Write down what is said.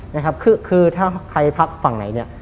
นะครับคือคือถ้าใครพักฝั่งไหนเนี่ย